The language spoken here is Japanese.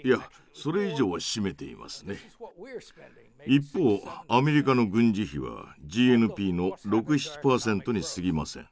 一方アメリカの軍事費はＧＮＰの６７％にすぎません。